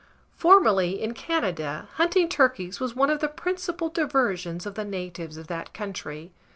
Formerly, in Canada, hunting turkeys was one of the principal diversions of the natives of that country.